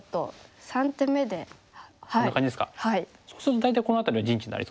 そうすると大体この辺りは陣地になりそうですね。